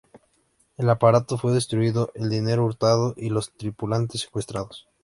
El aparato fue destruido, el dinero hurtado y los tripulantes secuestrados.